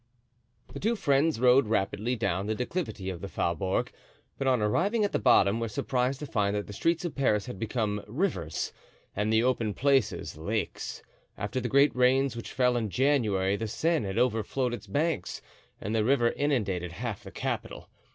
The two friends rode rapidly down the declivity of the Faubourg, but on arriving at the bottom were surprised to find that the streets of Paris had become rivers, and the open places lakes; after the great rains which fell in January the Seine had overflowed its banks and the river inundated half the capital.